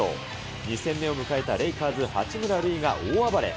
２戦目を迎えたレイカーズ、八村塁が大暴れ。